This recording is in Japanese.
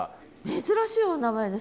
珍しいお名前です。